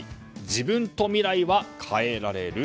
自分と未来は変えられる。